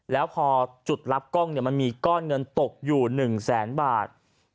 แล้วพอจุดรับกล้องมันมีก้อนเงินตกอยู่๑แสนบาท